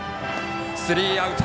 スリーアウト。